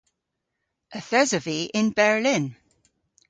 Yth esov vy yn Berlin.